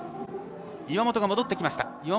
岩本が戻ってきました。